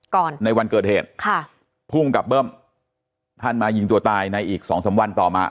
ในวันเกิดเหตุค่ะภูมิกับเบิ้มท่านมายิงตัวตายในอีกสองสามวันต่อมา